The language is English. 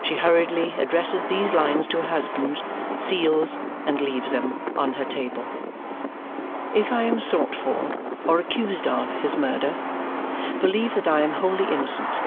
She hurriedly addresses these lines to her husband, seals, and leaves them on her table: If I am sought for, or accused of, his murder, believe that I am wholly innocent.